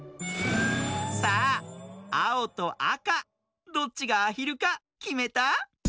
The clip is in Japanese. さああおとあかどっちがアヒルかきめた？